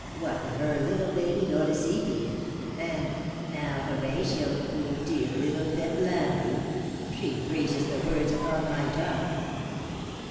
"What with her ''ittle baby go to seepy,' and 'now, Horatio, 'oo dear 'ittle pet lambie,' she freezes the words upon my tongue.